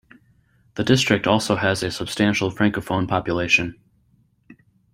The district also has a substantial francophone population.